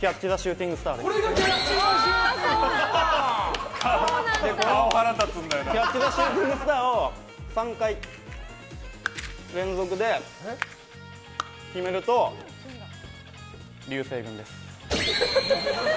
キャッチ・ザ・シューティングスターを３回連続で決めると流星群です。